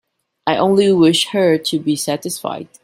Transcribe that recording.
I only wish her to be satisfied.